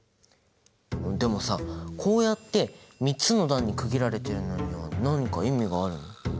でもさこうやって３つの段に区切られているのには何か意味があるの？